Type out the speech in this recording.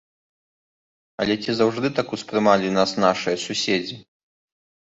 Але ці заўжды так успрымалі нас нашыя суседзі?